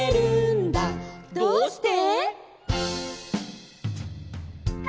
「どうして？」